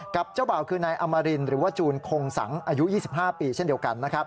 เจ้าบ่าวคือนายอมรินหรือว่าจูนคงสังอายุ๒๕ปีเช่นเดียวกันนะครับ